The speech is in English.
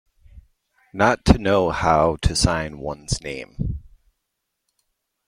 Not to know how to sign one's name.